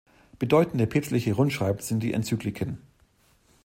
Bedeutende päpstliche Rundschreiben sind die Enzykliken.